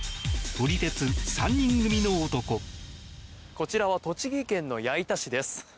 こちらは栃木県の矢板市です。